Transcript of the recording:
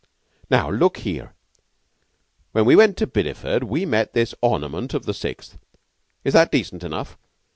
Now look here. When we went into Bideford we met this ornament of the Sixth is that decent enough?